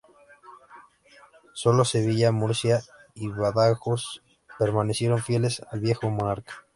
Solo Sevilla, Murcia y Badajoz permanecieron fieles al viejo monarca.